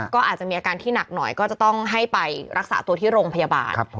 ก็อาจจะมีอาการที่หนักหน่อยก็จะต้องให้ไปรักษาตัวที่โรงพยาบาล